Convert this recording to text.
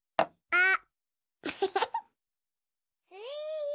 あっ！